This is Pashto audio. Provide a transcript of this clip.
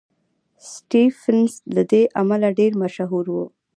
سټېفنس له دې امله ډېر مشهور شوی و